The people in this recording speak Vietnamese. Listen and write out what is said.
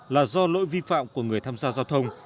là do lỗi vi phạm của người tham gia giao thông